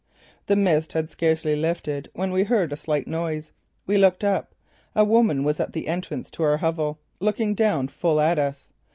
The mist had scarcely lifted when we heard a slight noise. We looked up. A woman was at the entrance to our hovel, looking down full at us.